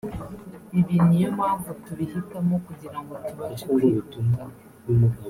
ibi niyo mpamvu tubihitamo kugira ngo tubashe kwihuta”